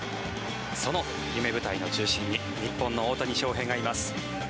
その夢舞台の中心に日本の大谷翔平がいます。